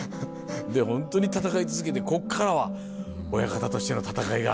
ホントに戦い続けてこっからは親方としての闘いが。